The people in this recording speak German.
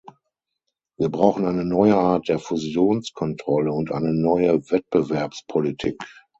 Wir brauchen eine neue Art der Fusionskontrolle und eine neue Wettbewerbspolitik.